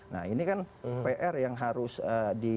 nah ini kan pr yang harus di di apa diakinkan oleh masyarakat